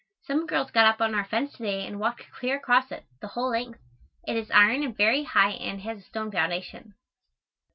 Some girls got up on our fence to day and walked clear across it, the whole length. It is iron and very high and has a stone foundation.